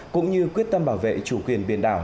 cũng như quyết tâm bảo vệ chủ quyền biển đảo